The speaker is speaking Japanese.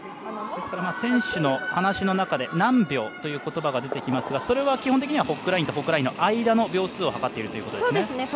ですから、選手の話の中で何秒ということばが出てきますがそれは基本的にはホッグラインとホッグラインの間の秒数を測っているということですね。